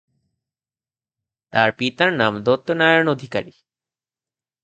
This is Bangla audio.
তার পিতার নাম দত্ত নারায়ণ অধিকারী।